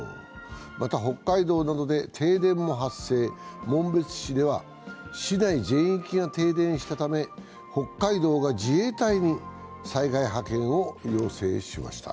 また、北海道などで停電も発生、紋別市では市内全域が停電したため、北海道が自衛隊に災害派遣を要請しました。